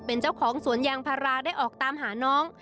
เป็นเจ้าของสวนยางพาราได้ออกตามหาน้อง